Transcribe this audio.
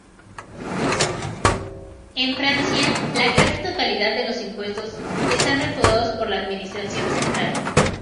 En Francia la casi totalidad de los impuestos están recaudados por la administración central.